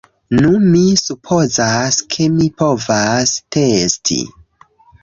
Nu, mi supozas, ke mi povas testi